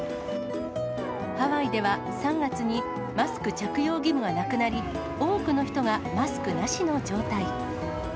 ハワイでは３月にマスク着用義務がなくなり、多くの人がマスクなしの状態。